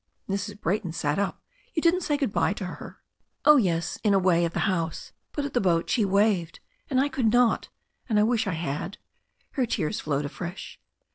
Mrs. Brayton sat up. "You didn't say good bye to her !" "Oh, yes, in a way — ^at the house; but at the boat she waved, and I could not. And I wish I had." Her tears flowed afresh.